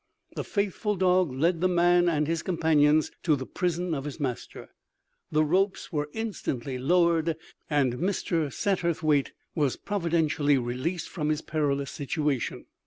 The faithful dog led the man and his companions to the prison of his master. The ropes were instantly lowered, and Mr. Satterthwaite was providentially released from his perilous situation.